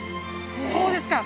「そうですか！」